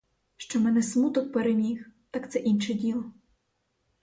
Що мене смуток переміг, так це інше діло.